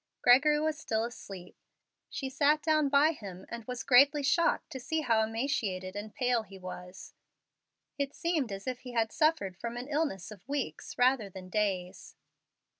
Gregory was still asleep. She sat down by him and was greatly shocked to see how emaciated and pale he was. It seemed as if he had suffered from an illness of weeks rather than days.